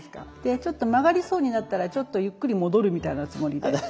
ちょっと曲がりそうになったらちょっとゆっくり戻るみたいなつもりで。